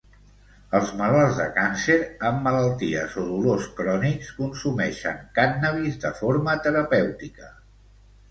Els malalts de càncer, amb malalties o dolors crònics, consumeixen cànnabis de forma terapèutica.